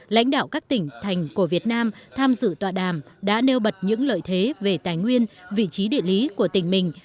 lãnh đạo các tỉnh thành của việt nam tham dự tọa đàm đã nêu bật những lợi thế về tài nguyên vị trí địa lý của tỉnh mình